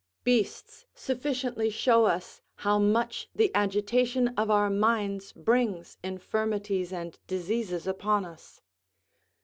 Beasts sufficiently show us how much the agitation of our minds brings infirmities and diseases upon us.